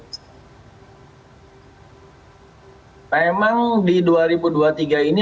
emang di dua ribu dua puluh tiga ini lebih rumit dibanding tahun kemarin jika kita bicara dari ekosistem industri pasca pandemi